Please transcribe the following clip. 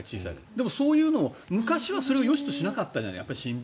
でもそういうのを昔はそれをよしとしなかったじゃない。